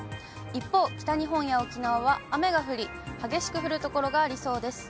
一方、北日本や沖縄は雨が降り、激しく降る所がありそうです。